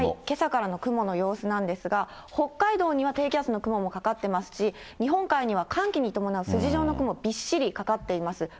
けさからの雲の様子なんですが、北海道には低気圧の雲もかかってますし、日本海には寒気に伴う筋状の雲がびっしりかかっています。